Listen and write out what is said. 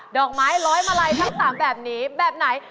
ดอกไม้ร้อยมาลัยทั้ง๓แบบนี้แบบไหน